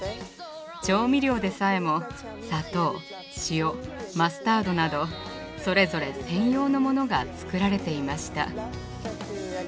調味料でさえも砂糖塩マスタードなどそれぞれ専用のモノが作られていました。